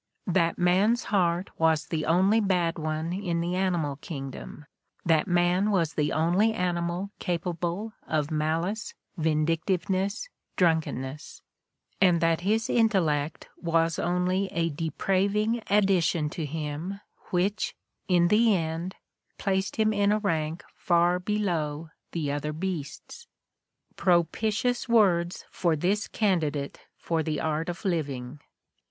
— that "man's heart was the only bad one in the animal kingdom, that man was the only animal capable of malice, vindictiveness, drunken ness" and that his intellect was only a "depraving addition to him which, in the end, placed him in a rank far below the other beasts." Propitious words for this candidate for the art of living!